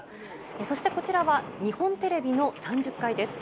そしてこちらは、日本テレビの３０階です。